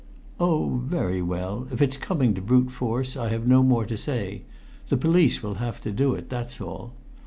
"Oh, very well! If it's coming to brute force I have no more to say. The police will have to do it, that's all.